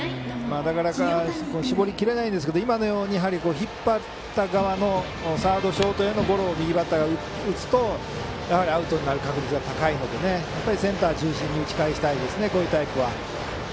なかなか絞りきれないんですけど今のように引っ張った側のサード、ショートへのゴロを右バッターが打つとアウトになる確率が高いのでこういうタイプはセンター中心に打ち返したいですね。